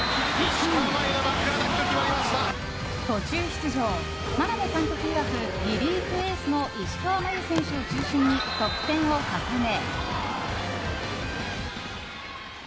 途中出場、眞鍋監督いわくリリーフエースの石川真佑選手を中心に得点を重ね。